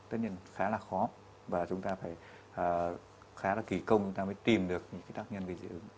tất nhiên khá là khó và chúng ta phải khá là kỳ công để tìm được những tác nhân gây dị ứng